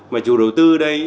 mà chủ đầu tư đây